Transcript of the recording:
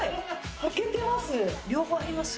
はけてます